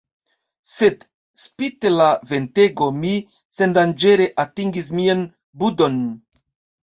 Sed, spite la ventego, mi sendanĝere atingis mian budon.